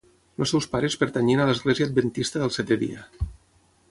Els seus pares pertanyien a l'Església Adventista del Setè Dia.